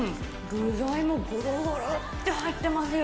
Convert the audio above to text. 具材もごろごろって入ってますよ。